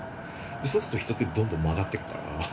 そうすると人ってどんどん曲がってくから。